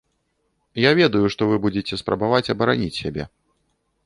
Я ведаю, што вы будзеце спрабаваць абараніць сябе.